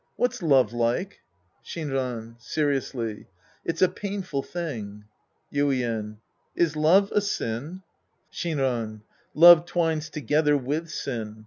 What's love like ? Shim'an {seriously). It's a painful thing. Yuien. Is love a sin ? Shinran. Love twines together with sin.